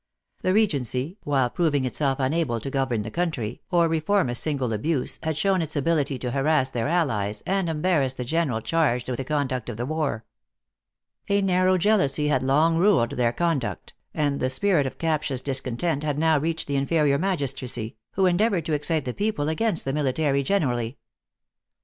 The Regency, while proving itself unable to govern the country, or reform a single abuse, had shown its ability to harass their allies and embarrass the general charged with the conduct of the war. " A narrow jealousy had long ruled their conduct, and the spirit of captious discontent had now reached the inferior magistracy, who endeavored to excite the people against the military generally.